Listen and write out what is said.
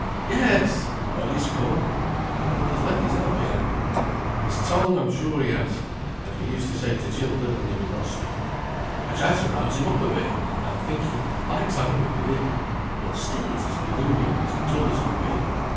"Yes! his body's come, but I think he's left his heart behind him. His tongue I'm sure he has, as we used to say to childer, when they would not speak. I try to rouse him up a bit, and I think he likes having me with him, but still he's as gloomy and as dull as can be.